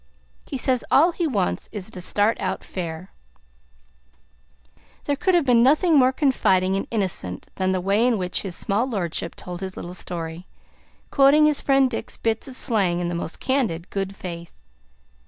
He says all he wants is to start out fair." There could have been nothing more confiding and innocent than the way in which his small lordship told his little story, quoting his friend Dick's bits of slang in the most candid good faith.